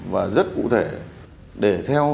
và rất cụ thể để theo